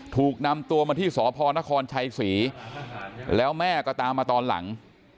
ถูกนำตัวมาที่สพนครชัยศรีแล้วแม่ก็ตามมาตอนหลัง